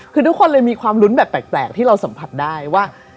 คือทุกคนเลยมีความลุ้นแบบแปลกที่เราสัมผัสได้ว่า